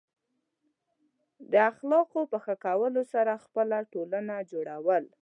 د اخلاقو په ښه کولو سره خپل ټولنه جوړول.